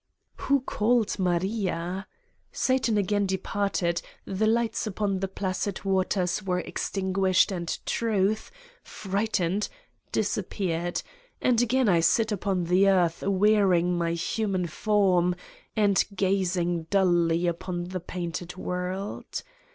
Who called : Maria ? Satan again departed, the lights upon the placid waters were extinguished and Truth, frightened, disappeared and again I sit upon the earth wearing my human form and gazing dully upon the painted world.